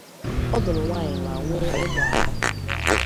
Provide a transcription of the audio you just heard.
Ọ lụrụ nwanyị ma nwee ụmụ anọ.